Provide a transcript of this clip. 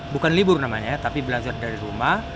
bukan libur namanya tapi belajar dari rumah